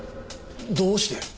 どうして？